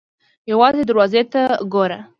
_ يوازې دروازې ته ګوره!